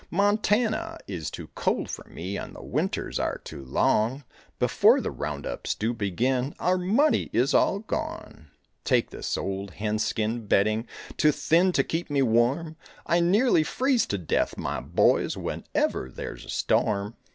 Montana is too cold for me And the winters are too long; Before the round ups do begin Our money is all gone. Take this old hen skin bedding, Too thin to keep me warm, I nearly freeze to death, my boys. Whenever there's a storm.